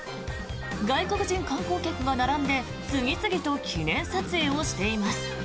外国人観光客が並んで次々と記念撮影をしています。